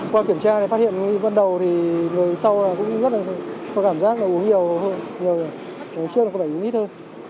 qua kiểm tra thì phát hiện vấn đồ thì người sau cũng rất là có cảm giác là uống nhiều hơn người trước là có vẻ uống ít hơn